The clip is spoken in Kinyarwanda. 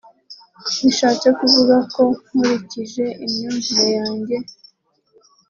Bishatse kuvuga ko nkurikije imyumvire yanjye